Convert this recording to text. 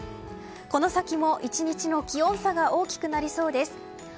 この先も、１日の気温差が大きくなりそうです。